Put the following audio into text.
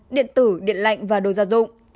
điện tử điện lạnh và đồ gia dụng